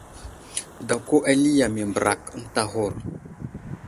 Dako ali yam i mbərak ənta aghur.